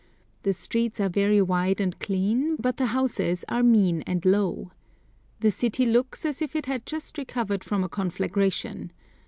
The streets are very wide and clean, but the houses are mean and low. The city looks as if it had just recovered from a conflagration.